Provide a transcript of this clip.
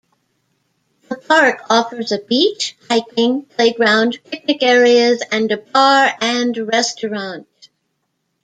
The park offers a beach, hiking, playground, picnic areas and a bar and restaurant.